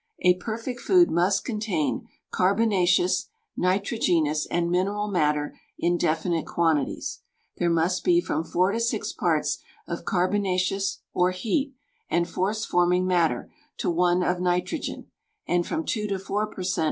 A perfect food must contain carbonaceous, nitrogenous, and mineral matter in definite quantities; there must be from four to six parts of carbonaceous or heat and force forming matter to one of nitrogen, and from two to four per cent.